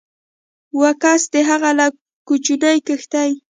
و کس د هغه له کوچنۍ کښتۍ